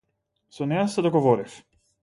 Со неа се договорив.